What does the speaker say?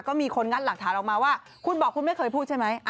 ก็มีคนงัดหลักฐานออกมาว่าคุณบอกคุณไม่เคยพูดใช่ไหม